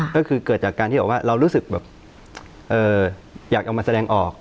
ก็คือเกิดจากการที่เรารู้สึกอยากเอามาแสดงออก